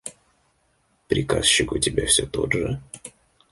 Приказчик у тебя все тот же?